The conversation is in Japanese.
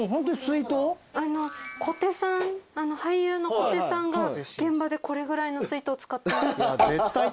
小手さん俳優の小手さんが現場でこれぐらいの水筒使ってます。